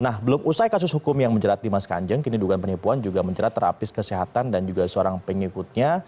nah belum usai kasus hukum yang menjerat dimas kanjeng kini dugaan penipuan juga menjerat terapis kesehatan dan juga seorang pengikutnya